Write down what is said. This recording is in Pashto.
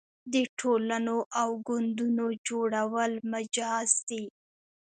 د ټولنو او ګوندونو جوړول مجاز دي.